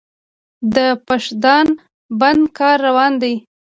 د پاشدان بند کار روان دی؟